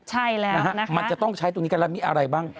ใช่แล้วนะฮะมันจะต้องใช้ตรงนี้กันแล้วมีอะไรบ้าง